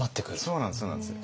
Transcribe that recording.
そうなんですそうなんですよ。